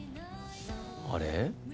あれ？